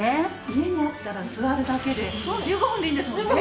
家にあったら座るだけで１５分でいいんですもんね